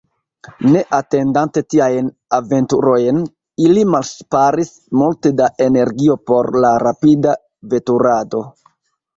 Ne atendante tiajn aventurojn, ili malŝparis multe da energio por la rapida veturado..